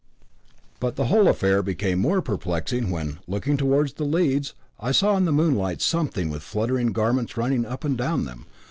But the whole affair became more perplexing when, looking towards the leads, I saw in the moonlight something with fluttering garments running up and down them.